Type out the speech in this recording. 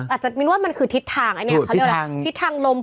อาจจะมินว่ามันคือทิศทางอันนี้เขาเรียกอะไรทิศทางลม